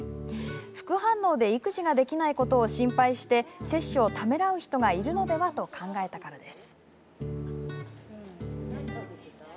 副反応で育児ができないことを心配して、接種をためらう人がいるのでは、と考えたからです。